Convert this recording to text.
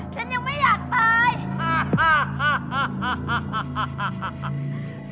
ฉันยังไม่อยากตาย